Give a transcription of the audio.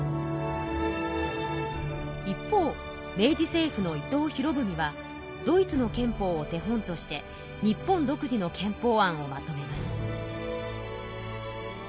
一方明治政府の伊藤博文はドイツの憲法を手本として日本独自の憲法案をまとめます。